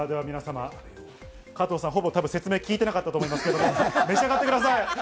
加藤さん、ほぼ説明は聞いてなかったと思いますけど、召し上がってください。